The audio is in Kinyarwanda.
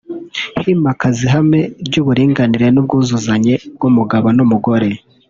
himakazwa ihame ry’uburinganire n’ubwuzuzanye bw’umugabo n’umugore